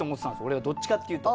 俺はどっちかって言うと。